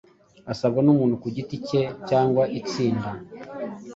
asabwa n’umuntu ku giti ke cyangwa itsinda